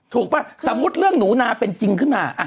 ป่ะสมมุติเรื่องหนูนาเป็นจริงขึ้นมา